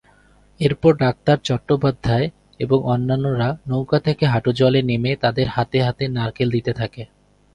এরপর ডাক্তার চট্টোপাধ্যায় এবং অন্যান্যরা নৌকা থেকে হাঁটু জলে নেমে তাদের হাতে হাতে নারকেল দিতে থাকে।